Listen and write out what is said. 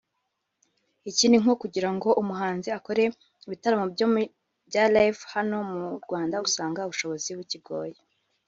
Ikindi nko kugira ngo umuhanzi akore ibitaramo bya Live hano mu Rwanda usanga ubushobozi bukigoye